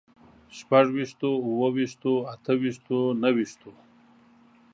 شپږ ويشتو، اووه ويشتو، اته ويشتو، نهه ويشتو